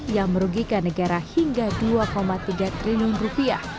yang merugikan negara hingga dua tiga triliun rupiah